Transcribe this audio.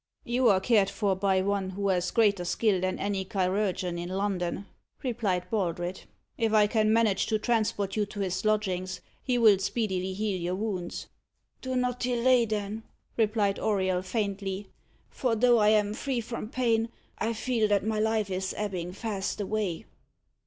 "You are cared for by one who has greater skill than any chirurgeon in London," replied Baldred. "If I can manage to transport you to his lodgings, he will speedily heal your wounds." "Do not delay, then," replied Auriol faintly; "for though I am free from pain, I feel that my life is ebbing fast away."